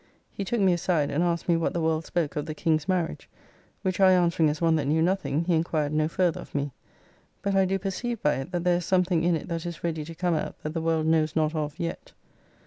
He took me aside, and asked me what the world spoke of the King's marriage. Which I answering as one that knew nothing, he enquired no further of me. But I do perceive by it that there is something in it that is ready to come out that the world knows not of yet.